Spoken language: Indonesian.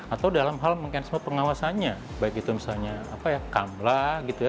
atau dalam hal mungkin semua pengawasannya baik itu misalnya kamlah gitu ya